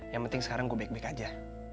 yang penting sekarang gue baik baik aja